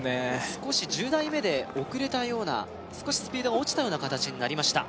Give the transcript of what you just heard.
少し１０台目で遅れたような少しスピードが落ちたような形になりました